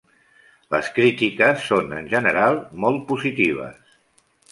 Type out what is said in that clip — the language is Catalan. Les crítiques són en general molt positives.